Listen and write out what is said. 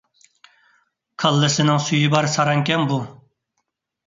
كاللىسىنىڭ سۈيى بار ساراڭكەن بۇ!